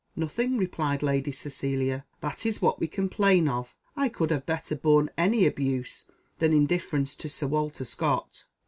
"Nothing." replied Lady Cecilia; "that is what we complain of. I could have better borne any abuse than indifference to Sir Walter Scott."